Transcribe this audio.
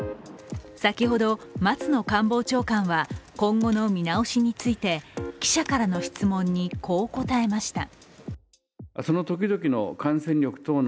先ほど、松野官房長官は今後の見直しについて記者からの質問にこう答えました。